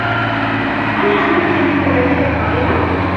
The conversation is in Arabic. هل حجزت لي تذاكر الطائرة؟